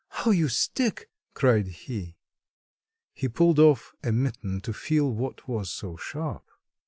"How you stick!" cried he. He pulled off a mitten to feel what was so sharp.